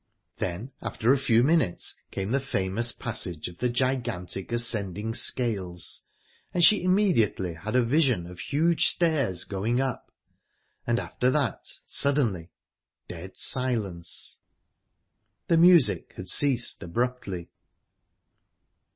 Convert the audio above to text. Then, after a few minutes came the famous passage of the gigantic ascending scales, and she immediately had a vision of huge stairs going up...And, after that, suddenly dead silence. The music had ceased abruptly...